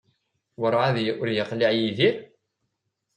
Werɛad ur yeqliɛ Yidir?